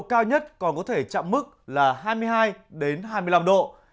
cao nhất còn có thể chạm mức là hai mươi hai hai mươi năm độ